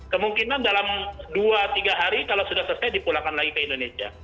kemungkinan dalam dua tiga hari kalau sudah selesai dipulangkan lagi ke indonesia